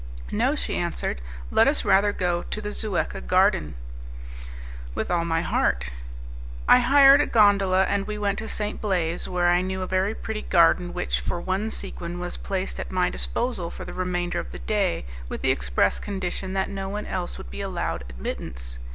"No," she answered, "let us rather go to the Zuecca Garden." "With all my heart." I hired a gondola and we went to St. Blaze, where I knew a very pretty garden which, for one sequin, was placed at my disposal for the remainder of the day, with the express condition that no one else would be allowed admittance.